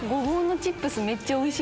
チップスめっちゃおいしい。